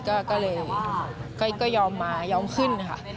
ก็เลยก็ยอมมายอมขึ้นค่ะ